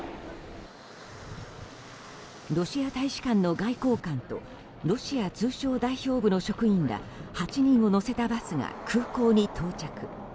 ロシア大使館の外交官とロシア通商代表部の職員ら８人を乗せたバスが空港に到着。